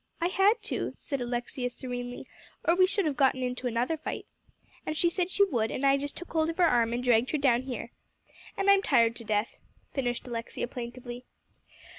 "I had to," said Alexia serenely, "or we should have gotten into another fight. And she said she would, and I just took hold of her arm, and dragged her down here. And I'm tired to death," finished Alexia plaintively.